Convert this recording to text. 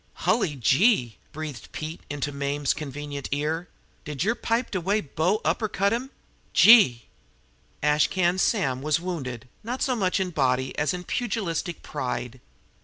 "Hully gee!" breathed Pete into Mame's convenient ear. "Did yer pipe de way bo upper cut 'im? Gee!" Ash Can Sam was wounded not so much in body as in pugilistic pride.